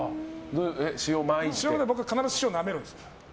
僕、必ず塩をなめるんです。